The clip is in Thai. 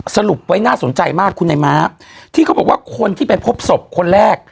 สรุปไว้น่าสนใจมากคุณนายม้าที่เขาบอกว่าคนที่ไปพบศพคนแรก